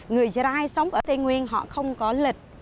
người trai sống ở tây nguyên họ không có lịch